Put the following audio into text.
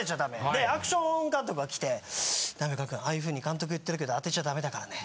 でアクション監督が来て「波岡くんああいうふうに監督言ってるけど当てちゃダメだからね」。